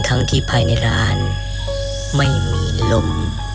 ทั้งที่ภายในร้านไม่มีลม